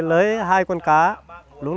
lúc nào cúng xong